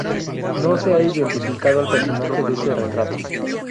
No se ha identificado al personaje de este retrato.